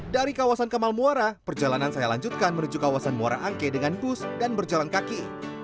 dari kawasan kamal muara perjalanan saya lanjutkan menuju kawasan muara angke dengan bus dan berjalan kaki